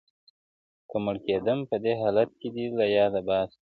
که مړ کېدم په دې حالت کي دي له ياده باسم~